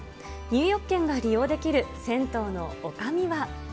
入浴券が利用できる銭湯のおかみは。